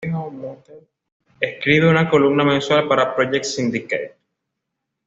Escribe una columna mensual para Project Syndicate.